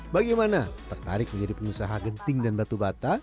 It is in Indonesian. bagaimana tertarik menjadi pengusaha genting dan batu bata